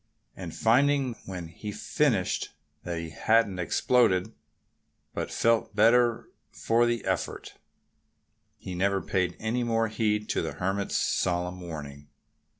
And finding, when he had finished, that he hadn't exploded, but felt better for the effort, he never paid any more heed to the Hermit's solemn warning.